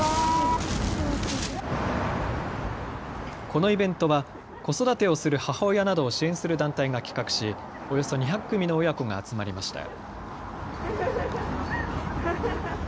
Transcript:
このイベントは子育てをする母親などを支援する団体が企画しおよそ２００組の親子が集まりました。